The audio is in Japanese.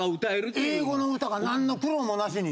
英語の歌がなんの苦労もなしに。